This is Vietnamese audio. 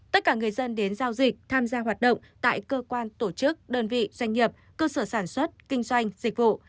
tất cả người dân đến giao dịch tham gia hoạt động tại cơ quan tổ chức đơn vị doanh nghiệp cơ sở sản xuất kinh doanh dịch vụ